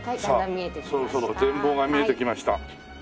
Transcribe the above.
さあそろそろ全貌が見えてきました。